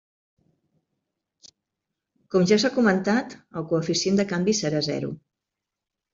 Com ja s'ha comentat, el coeficient de canvi serà zero.